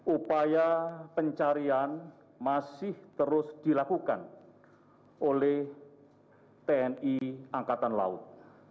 upaya pencarian masih terus dilakukan oleh tni angkatan laut